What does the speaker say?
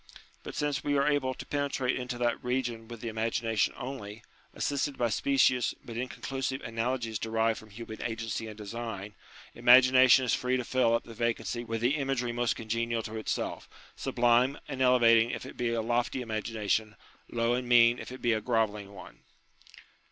But since we are able to penetrate into that region with the imagination only, assisted by specious but inconclusive analogies derived from human agency and design, imagination is free to fill up the vacancy with the imagery most congenial to itself ; sublime and elevating if it be a lofty imagina tion, low and mean if it be a grovelling one.